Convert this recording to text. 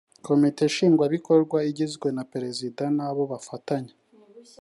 komite nshingwabikorwa igizwe na perezida n’abo bafatanya